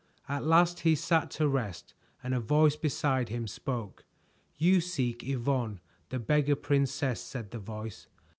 At last he sat to rest and a voice beside him spoke. "You seek Yvonne, the Beggar Princess," said the voice.